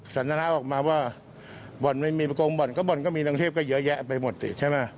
สันทนาออกมาว่าบ่อนไม่มีประกงบ่อนก็บ่อนก็มีรังเทพก็เยอะแยะไปหมดสิใช่ไหม